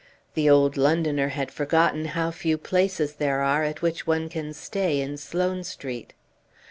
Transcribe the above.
The old Londoner had forgotten how few places there are at which one can stay in Sloane Street.